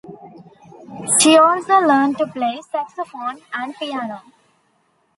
She also learned to play saxophone and piano.